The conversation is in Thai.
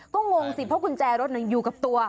ก็งงสิเพราะกุญแจรถอยู่กับตัว